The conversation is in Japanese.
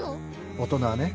大人はね